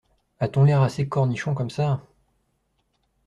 A-t-on l’air assez cornichon comme ça !